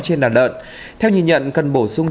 trên đàn đợn theo nhìn nhận cần bổ sung